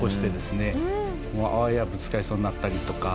あわやぶつかりそうになったりとか。